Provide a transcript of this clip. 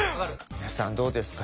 皆さんどうですか？